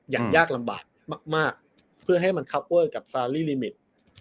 ยากลำบากมากเพื่อให้มันคับเวอร์กับซาลีลิมิต